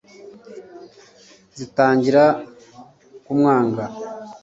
zitangira kumwanga